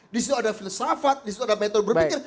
disitu ada filsafat disitu ada metode berpikir